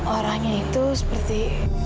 orangnya itu seperti